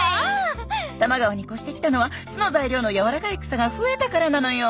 多摩川に越してきたのは巣の材料のやわらかい草が増えたからなのよ。